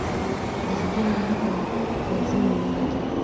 د هغې ناره به پر زړونو ولګي.